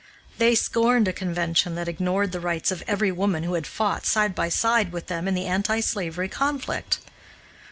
They scorned a convention that ignored the rights of the very women who had fought, side by side, with them in the anti slavery conflict.